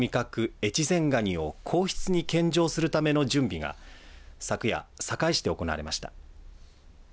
越前がにを皇室に献上するための準備が昨夜、坂井市で行われました。